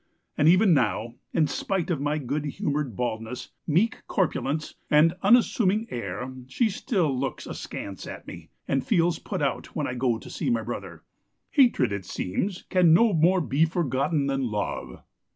... And even now, in spite of my good humoured baldness, meek corpulence, and unassuming air, she still looks askance at me, and feels put out when I go to see my brother. Hatred it seems can no more be forgotten than love.